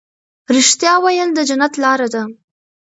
رښتیا ویل د جنت لار ده.